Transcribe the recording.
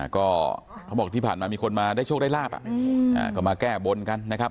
ก็เขาบอกที่ผ่านมามีคนมาได้โชคได้ลาบก็มาแก้บนกันนะครับ